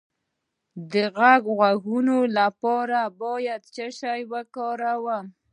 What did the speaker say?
د غوږ د غږونو لپاره باید څه شی وکاروم؟